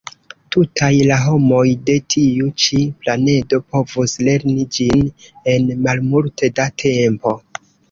Tutaj la homoj de tiu ĉi planedo povus lerni ĝin en malmulte da tempo.